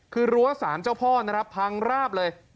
คือรั้วสารเจ้าพ่อนะครับพังราบเลย